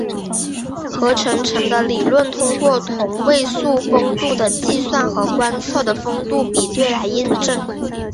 核合成的理论通过同位素丰度的计算和观测的丰度比对来验证。